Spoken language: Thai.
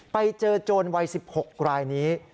ไปเจอโจรวัย๑๖รายนี้